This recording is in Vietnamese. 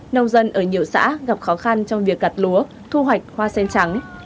nông dân ở nhiều xã gặp khó khăn trong việc gặt lúa thu hoạch hoa sen trắng